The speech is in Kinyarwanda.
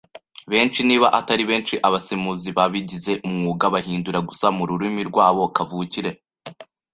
Benshi, niba atari benshi, abasemuzi babigize umwuga bahindura gusa mururimi rwabo kavukire.